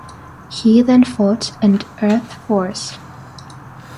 He then fought and Earth Force.